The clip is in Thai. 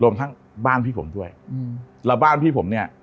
ทั้งบ้านพี่ผมด้วยอืมแล้วบ้านพี่ผมเนี่ย